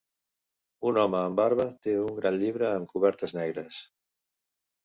Un home amb barba té un gran llibre amb cobertes negres